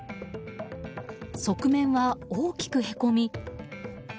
側面は大きくへこみ。